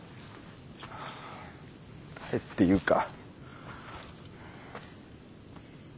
誰っていうか。